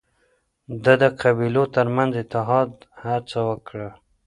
ده د قبيلو ترمنځ اتحاد هڅه وکړ